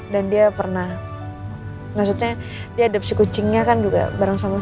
dan dia pernah maksudnya dia adepsi kucingnya kan juga bareng sama sal